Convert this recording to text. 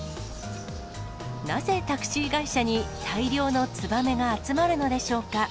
なぜ、タクシー会社に大量のツバメが集まるのでしょうか。